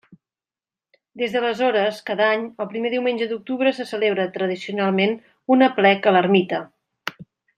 Des d'aleshores, cada any, el primer diumenge d'octubre, se celebra tradicionalment un aplec a l'Ermita.